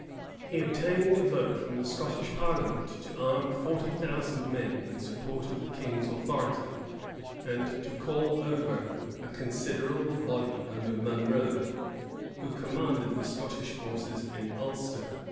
He obtained a vote from the Scottish parliament to arm forty thousand men in support of the king's authority, and to call over a considerable body under Monro, who commanded the Scottish forces in Ulster.